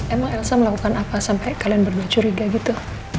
emang elsa melakukan apa sampai kalian berdua curiga gitu